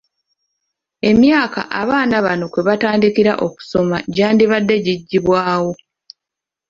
Emyaka abaana bano kwe batandikira okusoma gyandibadde giggibwawo.